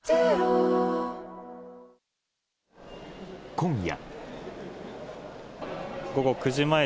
今夜。